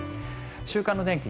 週間の天気